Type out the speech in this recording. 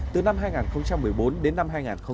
từ năm hai nghìn một mươi bốn đến năm hai nghìn một mươi tám